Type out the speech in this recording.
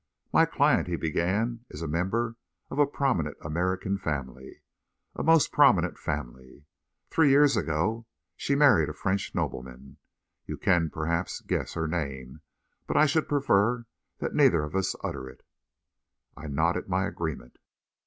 "My client," he began, "is a member of a prominent American family a most prominent family. Three years ago, she married a French nobleman. You can, perhaps, guess her name, but I should prefer that neither of us utter it." I nodded my agreement.